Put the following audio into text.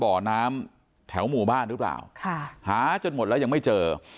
บ่อน้ำแถวหมู่บ้านหรือเปล่าค่ะหาจนหมดแล้วยังไม่เจอ